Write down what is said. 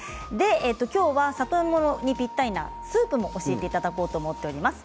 今日は里芋にぴったりなスープも教えていただこうと思っています。